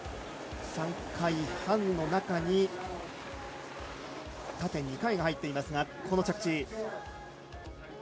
３回半の中に縦２回が入っています、この着地。